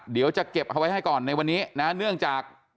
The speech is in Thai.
เดี๋ยวจะเก็บเอาไว้ให้ก่อนในวันนี้นะเนื่องจาก